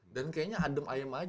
dan kayaknya adem ayem aja